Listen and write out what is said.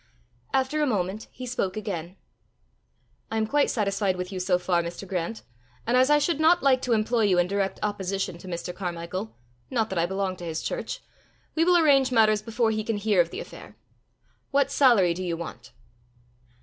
After a moment he spoke again. "I am quite satisfied with you so far, Mr. Grant; and as I should not like to employ you in direct opposition to Mr. Carmichel not that I belong to his church we will arrange matters before he can hear of the affair. What salary do you want?"